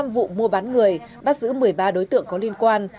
năm vụ mua bán người bắt giữ một mươi ba đối tượng có liên quan